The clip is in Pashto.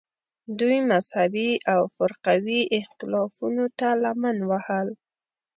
دوی مذهبي او فرقوي اختلافونو ته لمن وهل